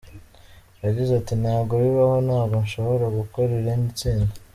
Yagize ati “Ntabwo bibaho, ntabwo nshobora gukora irindi tsinda.